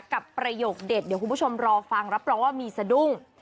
ประโยคเด็ดเดี๋ยวคุณผู้ชมรอฟังรับรองว่ามีสะดุ้ง